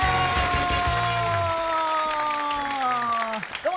どうも。